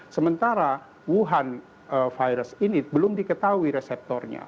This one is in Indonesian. sementara wuhan virus ini belum diketahui reseptornya